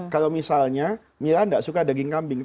kalau misalnya mila tidak suka daging kambing